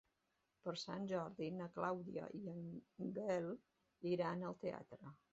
Per Sant Jordi na Clàudia i en Gaël iran al teatre.